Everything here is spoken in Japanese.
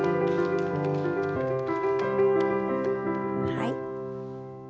はい。